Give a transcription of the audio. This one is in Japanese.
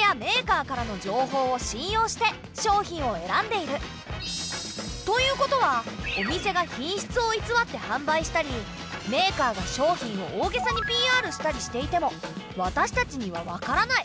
多くの場合私たちはということはお店が品質をいつわって販売したりメーカーが商品を大げさにＰＲしたりしていても私たちにはわからない。